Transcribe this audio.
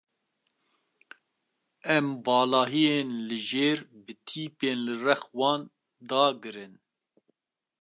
Em valahiyên li jêr bi tîpên li rex wan dagirin.